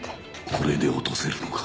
これで落とせるのか。